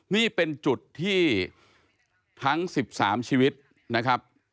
นี่เป็นจุดที่ทั้ง๑๓ชีวิตนะครับ